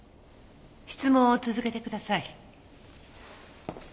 質問を続けてください。